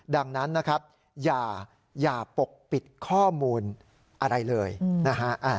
ดังนั้นนะครับอย่าปกปิดข้อมูลอะไรเลยนะฮะ